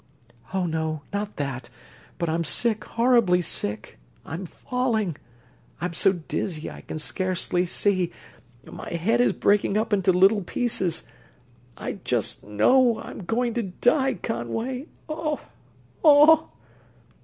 "Oh, no; not that. But I'm sick horribly sick. I'm falling.... I'm so dizzy I can scarcely see ... my head is breaking up into little pieces ... I just know I'm going to die, Conway! Oh ... oh!"